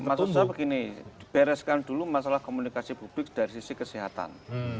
maksud saya begini dibereskan dulu masalah komunikasi publik dari sisi kesehatan